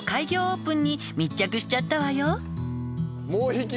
オープンに密着しちゃったわよ」